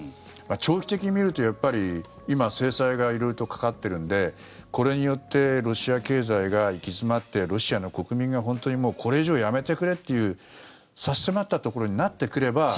長期的に見ると今、制裁が色々とかかっているのでこれによってロシア経済が行き詰まってロシアの国民が本当にこれ以上やめてくれという差し迫ったところになってくれば。